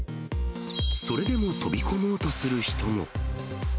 それでも飛び込もうとする人も。